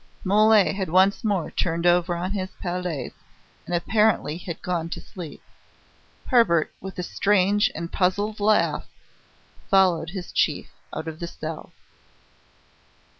Mole had once more turned over on his palliasse and, apparently, had gone to sleep. Hebert, with a strange and puzzled laugh, followed his chief out of the cell.